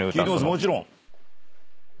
もちろん。